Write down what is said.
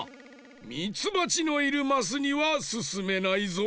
ミツバチのいるマスにはすすめないぞ。